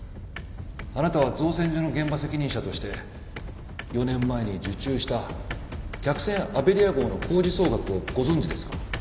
あなたは造船所の現場責任者として４年前に受注した客船アベリア号の工事総額をご存じですか？